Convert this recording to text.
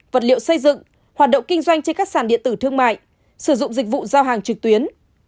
vật liệu xây dựng hoạt động kinh doanh trên các sàn điện tử thương mại sử dụng dịch vụ giao hàng trực tuyến